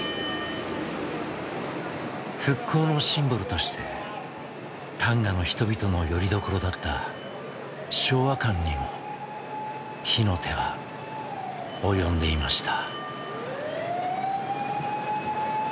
復興のシンボルとして旦過の人々のよりどころだった昭和館にも火の手は及んでいました。